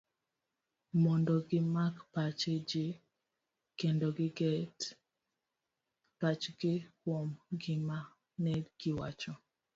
mondo gimak pach ji, kendo giket pachgi kuom gima negiwacho